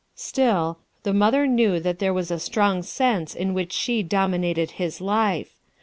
Still, the mother knew that there was a strong sense in which she dominated Ins life.